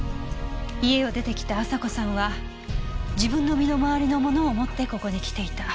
家を出てきた亜沙子さんは自分の身の回りのものを持ってここに来ていた。